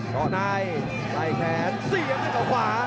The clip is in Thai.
ก็ได้ใส่แขนเสียด้วยขวา